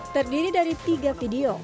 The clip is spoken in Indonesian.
terdiri dari tiga video